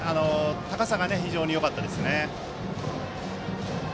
高さがよかったですね。